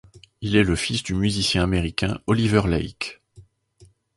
Il est le fils du musicien américain Oliver Lake.